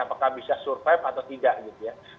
apakah bisa survive atau tidak gitu ya